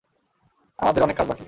আমাদের অনেক কাজ বাকি।